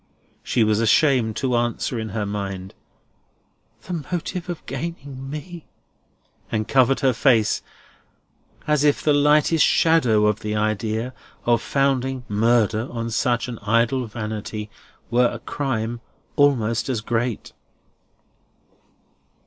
She was ashamed to answer in her mind, "The motive of gaining me!" And covered her face, as if the lightest shadow of the idea of founding murder on such an idle vanity were a crime almost as great.